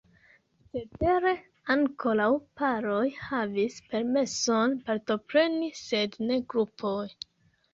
Cetere ankoraŭ paroj havis permeson partopreni sed ne grupoj.